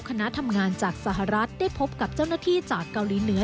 คณะทำงานจากสหรัฐได้พบกับเจ้าหน้าที่จากเกาหลีเหนือ